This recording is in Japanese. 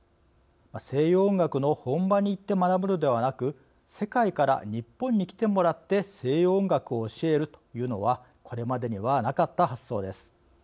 西洋音楽の本場に行って学ぶのではなく世界から日本に来てもらって西洋音楽を教えるというのはこれまでにはなかった発想です。